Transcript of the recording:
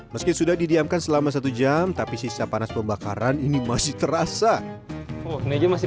meski sudah didiamkan selama satu jam tapi sisa panas pembakaran ini masih terasa masih